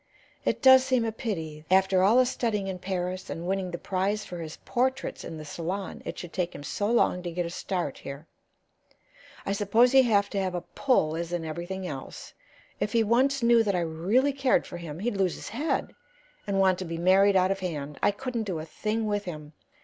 It does seem a pity that, after all the studying in Paris and winning the prize for his portraits in the Salon, it should take him so long to get a start here. I suppose you have to have a 'pull,' as in everything else. If he once knew that I really cared for him he'd lose his head and want to be married out of hand. I couldn't do a thing with him.